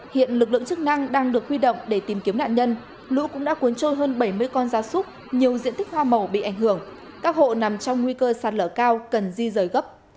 hiện lực lượng chức năng đang được huy động để tìm kiếm nạn nhân lũ cũng đã cuốn trôi hơn bảy mươi con gia súc nhiều diện tích hoa màu bị ảnh hưởng các hộ nằm trong nguy cơ sạt lở cao cần di rời gấp